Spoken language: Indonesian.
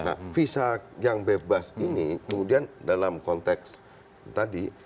nah visa yang bebas ini kemudian dalam konteks tadi